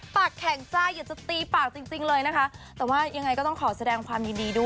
ปากแข็งจ้าอยากจะตีปากจริงจริงเลยนะคะแต่ว่ายังไงก็ต้องขอแสดงความยินดีด้วย